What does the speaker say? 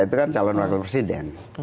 itu kan calon wakil presiden